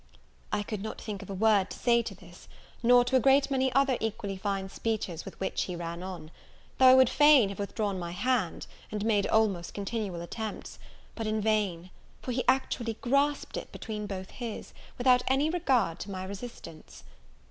I could not think of a word to say to this, nor to a great many other equally fine speeches with which he ran on; though I would fain have withdrawn my hand, and made almost continual attempts; but in vain, for he actually grasped it between both his, without any regard to my resistance.